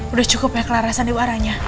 udah cukup ya clara sandiwaranya